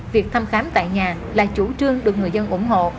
việc thăm khám tại nhà là chủ trương được người dân ủng hộ